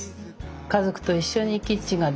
家族と一緒にキッチンができる。